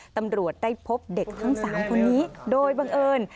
ตำรวจได้พบเด็กทั้ง๓คนนี้โดยบังเอิญ